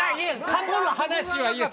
過去の話はいい。